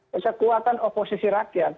kekuatan oposisi rakyat